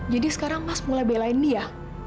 jadi sekarang mas mulai belain dia